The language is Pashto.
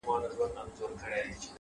گراني دا هيله كوم _